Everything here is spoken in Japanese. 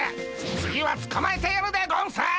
次はつかまえてやるでゴンス！